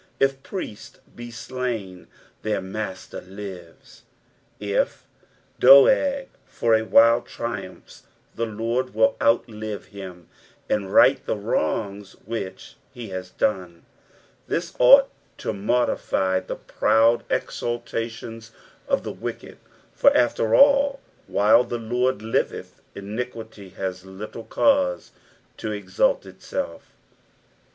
If priests be slain their Master lives. It Doeg for awhile triumphs the Lord will outlive hioi, and right the wrongs which he has done. This ought to modify the proud exultations of the Wicked, for after all, while the Lord liveth, iniquity has little cause to exalt itself.